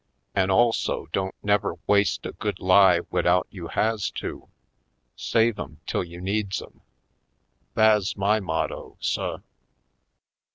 An' also don't never waste a good lie widout you has to — save 'em till you needs 'em. Tha's my motto, suh."